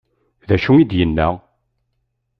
D acu i d-yenna?